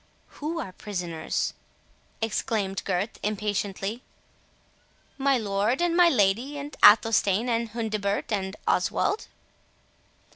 "Who are prisoners?" exclaimed Gurth, impatiently. "My lord, and my lady, and Athelstane, and Hundibert, and Oswald."